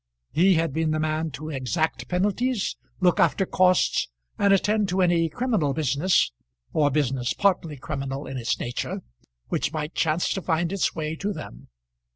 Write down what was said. He had been the man to exact penalties, look after costs, and attend to any criminal business, or business partly criminal in its nature, which might chance find its way to them.